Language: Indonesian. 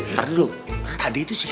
ntar dulu tadi itu siapa